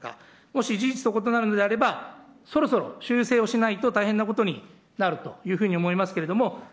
もし事実と異なるのであれば、そろそろ修正をしないと大変なことになると思いますけれども。